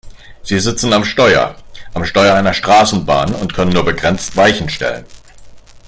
Sie sitzen am Steuer - am Steuer einer Straßenbahn und können nur begrenzt Weichen stellen.